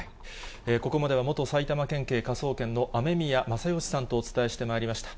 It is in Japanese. ここまでは元埼玉県警科捜研の雨宮正欣さんとお伝えしてまいりました。